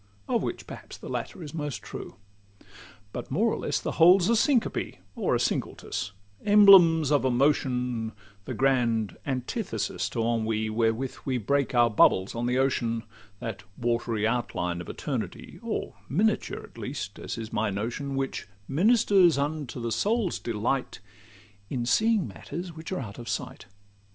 Of which perhaps the latter is most true. But, more or less, the whole 's a syncope Or a singultus—emblems of emotion, The grand antithesis to great ennui, Wherewith we break our bubbles on the ocean,— That watery outline of eternity, Or miniature at least, as is my notion, Which ministers unto the soul's delight, In seeing matters which are out of sight.